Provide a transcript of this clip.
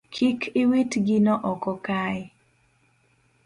Kik iwit gino oko kae